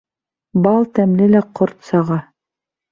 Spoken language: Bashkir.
Бал тәмле лә ҡорт саға.